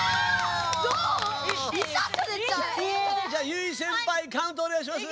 結実先輩カウントおねがいします！